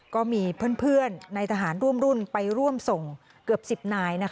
ก็มีเพื่อนในทหารร่วมรุ่นไปร่วมส่งเกือบ๑๐นาย